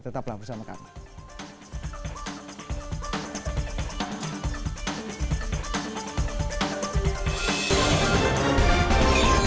tetaplah bersama kami